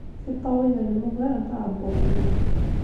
Tiṭṭawin-nnem ugarent aɛebbuḍ-nnem.